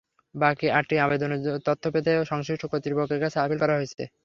বাকি আটটি আবেদনের তথ্য পেতে সংশ্লিষ্ট কর্তৃপক্ষের কাছে আপিল করা হয়েছে।